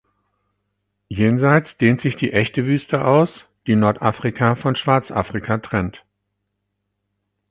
Jenseits dehnt sich die echte Wüste aus, die Nordafrika von Schwarzafrika trennt.